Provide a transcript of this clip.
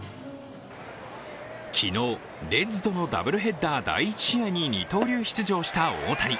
昨日、レッズとのダブルヘッダー第１試合に二刀流出場した大谷。